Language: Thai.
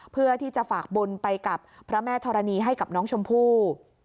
เพื่อที่จะฝากบุญไปกับพระแม่ธรณีให้กับน้องชมพู่